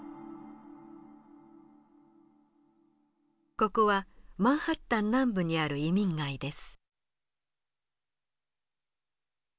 ここはマンハッタン南部にある移民街です。